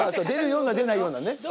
出るような出ないようなね。